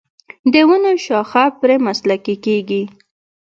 د ونو شاخه بري مسلکي کیږي.